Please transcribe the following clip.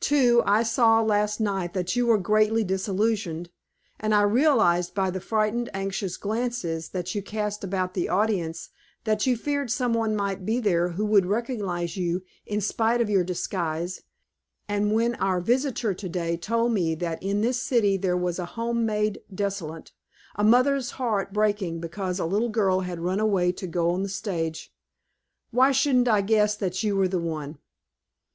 Too, I saw last night that you were greatly disillusioned, and I realized by the frightened, anxious glances that you cast about the audience that you feared someone might be there who would recognize you in spite of your disguise, and when our visitor today told me that in this city there was a home made desolate, a mother heart breaking because a little girl had run away to go on the stage, why shouldn't I guess that you are the one?'